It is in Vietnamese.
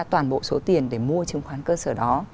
toàn bộ số tiền để mua chứng khoán cơ sở đó